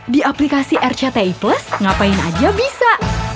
di aplikasi rcti plus ngapain aja bisa